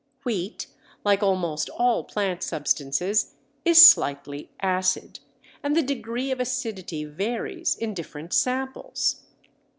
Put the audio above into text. Wheat, like almost all plant substances, is slightly acid, and the degree of acidity varies in different samples.